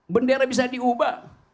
bendera bisa diubah